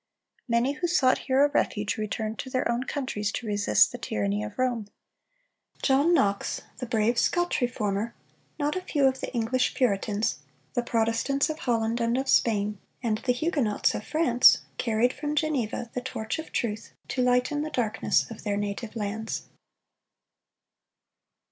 Many who sought here a refuge returned to their own countries to resist the tyranny of Rome. John Knox, the brave Scotch Reformer, not a few of the English Puritans, the Protestants of Holland and of Spain, and the Huguenots of France, carried from Geneva the torch of truth to lighten the darkness of their native lands.